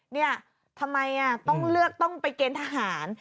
เนี่ยทำไมต้องเลือกต้องไปเกณฑ์ทหาร